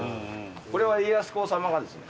これは家康公さまがですね